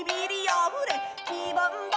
「黄ばんだ